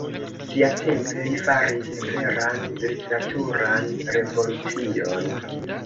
Siatempe li faris veran literaturan revolucion.